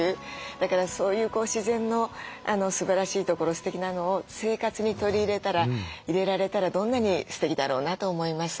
だからそういう自然のすばらしいところすてきなのを生活に取り入れられたらどんなにすてきだろうなと思います。